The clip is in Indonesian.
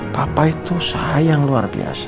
bapak itu sayang luar biasa